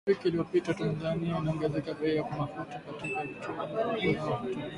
Wiki iliyopita Tanzania iliongeza bei ya mafuta katika vituo vya kuuzia mafuta kwa zaidi